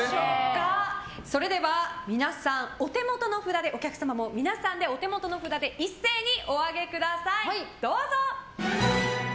それでは、皆さんお手元の札でお客様も皆さんでお手元の札で一斉にお上げください。